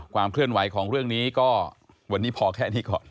ความเคลื่อนไหวของเรื่องนี้ก็วันนี้พอแค่นี้ก่อน